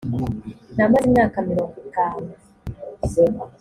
namaze imyaka mirongo itanu